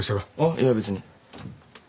いや別に。